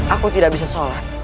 aku tidak bisa sholat